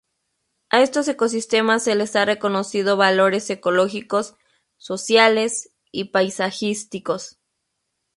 A estos ecosistemas se les ha reconocido valores ecológicos, sociales y paisajísticos.